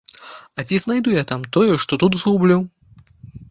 А ці знайду я там тое, што тут згублю?